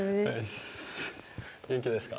元気ですか？